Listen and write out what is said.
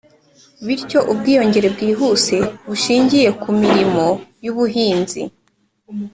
bityo, ubwiyongere bwihuse bushingiye ku mirimo y'ubuhinzi